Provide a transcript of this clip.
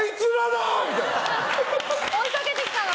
追いかけてきたの！？